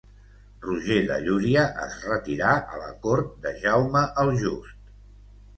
Roger de Llúria es retirà a la cort de Jaume el Just.